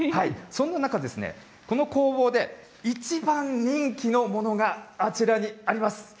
そんな中ですね、この工房で一番人気のものがあちらにあります。